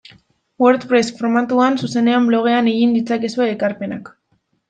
WordPress formatuan zuzenean blogean egin ditzakezue ekarpenak.